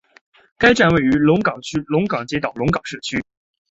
该站位于龙岗区龙岗街道龙岗社区。